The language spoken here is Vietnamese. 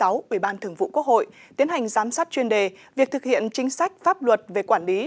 ubthqh tiến hành giám sát chuyên đề việc thực hiện chính sách pháp luật về quản lý